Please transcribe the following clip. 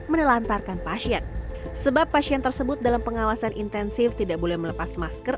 menelantarkan pasien sebab pasien tersebut dalam pengawasan intensif tidak boleh melepas masker